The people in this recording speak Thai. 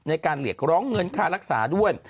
ในการเรียกร้องเงินค่ารักษาด้วย